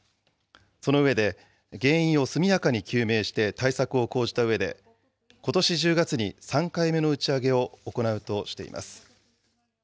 その上で、原因を速やかに究明して対策を講じたうえで、ことし１０月に３回目の打ち上げを行うとしています。